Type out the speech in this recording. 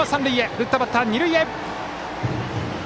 打ったバッターは、二塁へ！